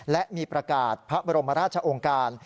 และมีประกาศพระบรมราชองค์การ